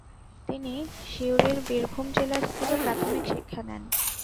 তিনি সিউড়ির বীরভূম জেলা স্কুলে প্রাথমিক শিক্ষা নেন।